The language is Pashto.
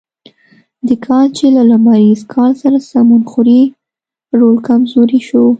د کال چې له لمریز کال سره سمون خوري رول کمزوری شو.